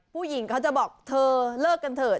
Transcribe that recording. ผู้หญิงเขาจะบอกเธอเลิกกันเถอะ